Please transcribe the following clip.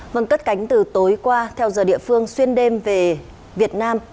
mừng cất cánh từ tối qua theo giờ địa phương xuyên đêm về việt nam